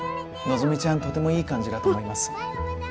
希ちゃんとてもいい感じだと思います。